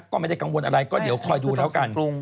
ก็ไม่ได้กังวลอะไรก็เดี๋ยวคอยดูแล้วกัน